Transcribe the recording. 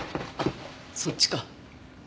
そっちか。